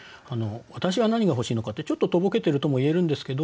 「私は何が欲しいのか」ってちょっととぼけてるとも言えるんですけど